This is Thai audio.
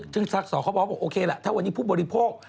อ๋อจึงสักส่อเขาบอกว่าโอเคแหละถ้าวันนี้ผู้บริโภค